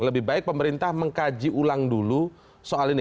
lebih baik pemerintah mengkaji ulang dulu soal ini